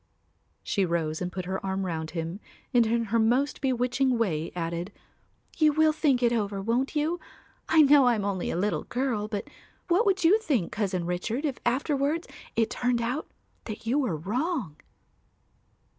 She rose and put her arm round him and in her most bewitching way added, "You will think it over, won't you? I know I am only a little girl, but what would you think, Cousin Richard, if afterwards it turned out that you were wrong?"